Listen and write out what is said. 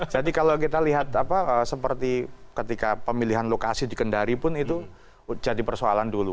jadi kalau kita lihat seperti ketika pemilihan lokasi dikendari pun itu jadi persoalan dulu